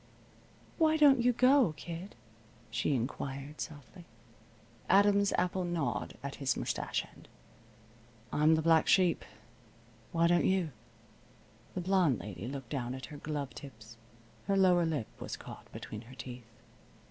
"Why don't you go, kid?" she inquired, softly. Adam's Apple gnawed at his mustache end. "I'm the black sheep. Why don't you?" The blonde lady looked down at her glove tips. Her lower lip was caught between her teeth.